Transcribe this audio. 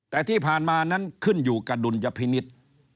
แต่ที่ผ่านมานั้นขึ้นอยู่กับดุลยพินิษฐ์